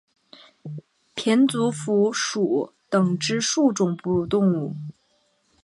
胼足蝠属等之数种哺乳动物。